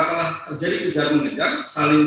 telah terjadi kejar mengejar saling